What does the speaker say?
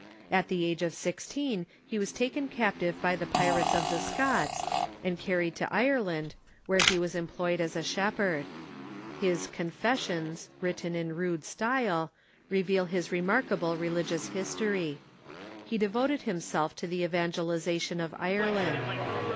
At the age of sixteen he was taken cap tive by the pirates of the Scots, and carried to Ireland, where he was employed as a shepherd. His Confessions, written in rude style, reveal his remarkable religious history. He de voted himself to the evangelization of Ireland.